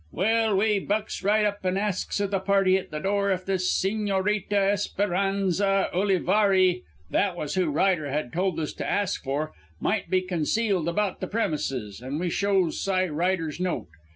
"Well, we bucks right up an' asks o' the party at the door if the Sigñorita Esperanza Ulivarri that was who Ryder had told us to ask for might be concealed about the premises, an' we shows Cy Ryder's note.